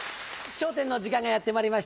『笑点』の時間がやってまいりました。